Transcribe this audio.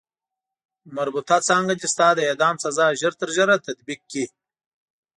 مربوطه څانګه دې ستا د اعدام سزا ژر تر ژره تطبیق کړي.